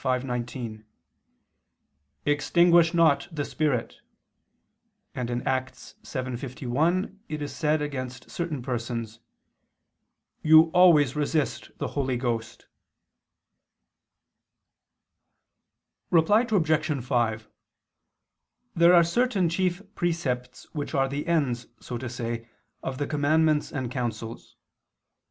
5:19): "Extinguish not the Spirit," and (Acts 7:51) it is said against certain persons: "You always resist the Holy Ghost." Reply Obj. 5: There are certain chief precepts which are the ends, so to say, of the commandments and counsels.